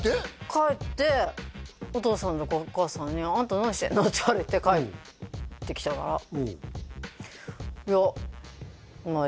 帰ってお父さんとかお母さんにって言われて帰ってきたからいやまあ